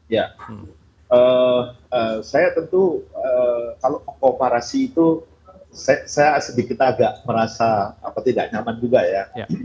ya saya tentu kalau kooparasi itu saya sedikit agak merasa tidak nyaman juga ya